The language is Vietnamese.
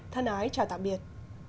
thân ái chào tạm biệt